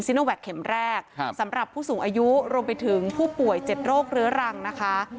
โนแวคเข็มแรกสำหรับผู้สูงอายุรวมไปถึงผู้ป่วย๗โรคเรื้อรังนะคะ